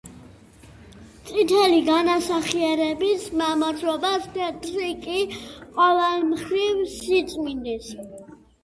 წითელი განასახიერებს მამაცობას, თეთრი კი ყოველმხრივ სიწმინდეს.